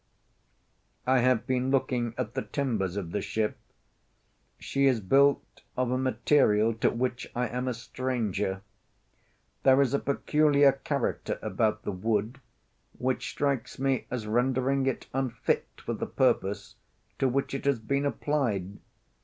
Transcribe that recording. I have been looking at the timbers of the ship. She is built of a material to which I am a stranger. There is a peculiar character about the wood which strikes me as rendering it unfit for the purpose to which it has been applied.